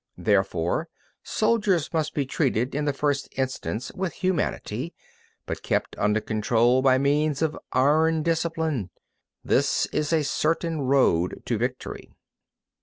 43. Therefore soldiers must be treated in the first instance with humanity, but kept under control by means of iron discipline. This is a certain road to victory.